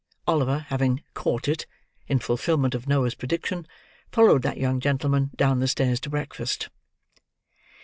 Oliver having "caught it," in fulfilment of Noah's prediction, followed that young gentleman down the stairs to breakfast.